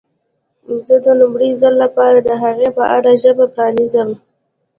زه د لومړي ځل لپاره د هغه په اړه ژبه پرانیزم.